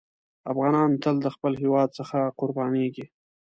افغانان تل د خپل هېواد څخه قربانېږي.